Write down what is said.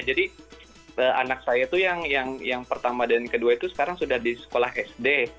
anak saya itu yang pertama dan kedua itu sekarang sudah di sekolah sd